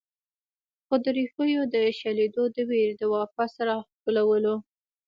خو د ريښو د شلېدو د وېرې د واپس راښکلو